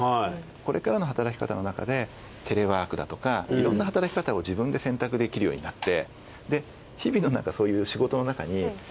これからの働き方の中でテレワークだとかいろんな働き方を自分で選択できるようになって。